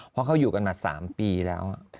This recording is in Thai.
เพราะเขาอยู่กันมา๓ปีแล้ว